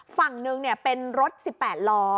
ฝั่งนึงเนี่ยเป็นรถสิบแปดล้อ